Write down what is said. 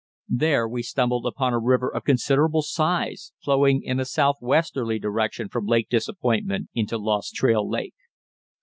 There we stumbled upon a river of considerable size flowing in a southwesterly direction from Lake Disappointment into Lost Trail Lake.